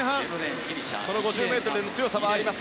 ５０ｍの強さがあります。